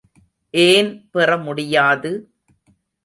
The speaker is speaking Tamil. ஏன் பெற முடியாது.